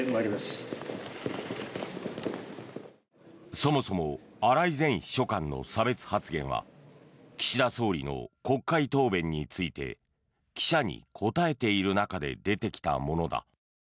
そもそも荒井前秘書官の差別発言は岸田総理の国会答弁について記者に答えている中で出てきたものだ。